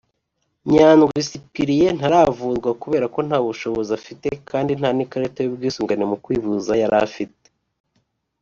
Nyandwi Cyprien ntaravurwa kubera nta bushobozi afite kandi nta n’ikarita y’ubwisungane mu kwivuza yari afite